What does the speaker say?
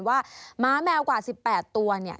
หมาแมวกว่า๑๘ตัวเนี่ย